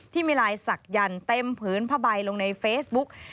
ที่มีลายศักยันต์เต็มผืนผ้าใบลงในเฟซบุ๊ก